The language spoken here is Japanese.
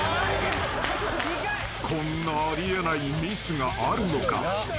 ［こんなあり得ないミスがあるのか？］